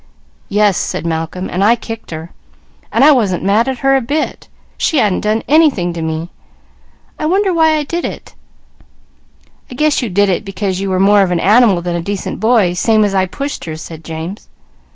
"Yes," said Malcolm. "And I kicked her. And I wasn't mad at her a bit. I wonder why I did it!" "I guess you did it because you were more of an animal than a decent boy, same as I pushed her," said James.